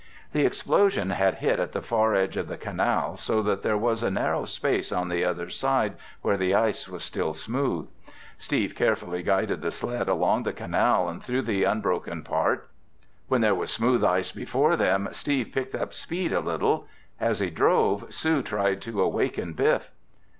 The explosion had hit at the far edge of the canal so that there was a narrow place on the other side where the ice was still smooth. Steve carefully guided the sled across the canal and through the unbroken part. When there was smooth ice before them, Steve picked up speed a little. As he drove, Sue tried to awaken Biff.